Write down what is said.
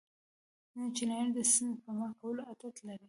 چینایان د سپما کولو عادت لري.